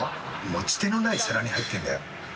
持ち手のない皿に入ってんだよ。